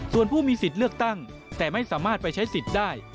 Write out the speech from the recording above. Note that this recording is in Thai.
ส่วนผู้มีสิทธิ์เลือกตั้งแต่ไม่สามารถไปใช้สิทธิ์ได้